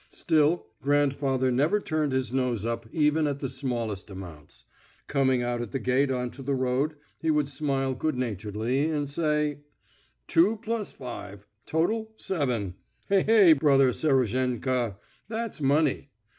Still, grandfather never turned his nose up even at the smallest amounts. Coming out at the gate on to the road he would smile good naturedly and say: "Two plus five, total seven ... hey hey, brother Serozhenka, that's money.